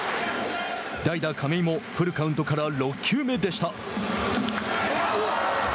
代打亀井もフルカウントから６球目でした。